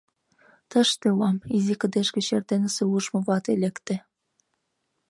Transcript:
— Тыште улам... — изи кыдеж гыч эрденысе ужмо вате лекте.